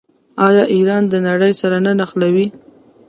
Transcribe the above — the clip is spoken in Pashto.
آیا ایران د نړۍ سره نه نښلوي؟